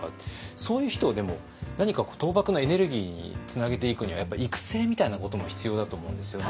そういう人をでも何か倒幕のエネルギーにつなげていくにはやっぱ育成みたいなことも必要だと思うんですよね。